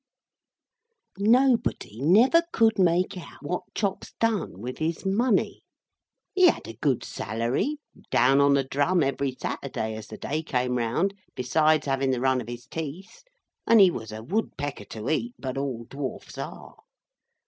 Nobody never could make out what Chops done with his money. He had a good salary, down on the drum every Saturday as the day came round, besides having the run of his teeth—and he was a Woodpecker to eat—but all Dwarfs are.